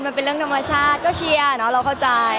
มันเป็นเรื่องน่ารักที่เวลาเจอกันเราต้องแซวอะไรอย่างเงี้ย